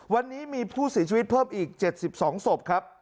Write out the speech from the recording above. วันนี้มีผู้เสียชีวิตเพิ่มอีก๗๒ศพครับ